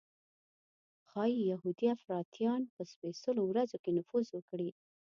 ښایي یهودي افراطیان په سپېڅلو ورځو کې نفوذ وکړي.